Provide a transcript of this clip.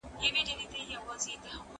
ولي د پانګې جذب لپاره شفافیت مهم ګڼل کېږي؟